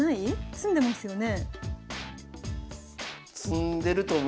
詰んでますよね？